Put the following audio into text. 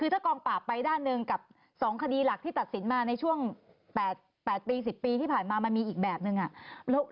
คือถ้ากองปราบไปด้านหนึ่งกับ๒คดีหลักที่ตัดสินมาในช่วง๘ปี๑๐ปีที่ผ่านมามันมีอีกแบบนึง